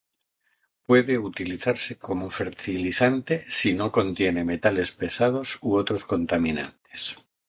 Puede utilizarse como fertilizante si no contiene metales pesados u otros contaminantes.